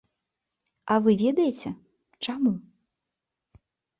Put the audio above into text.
А вы ведаеце, чаму?